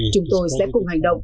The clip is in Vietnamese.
chúng tôi sẽ cùng hành động